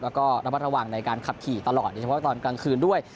แล้วก็ระมัดระวังในการขับขี่ตลอดโดยเฉพาะตอนกลางคืนด้วย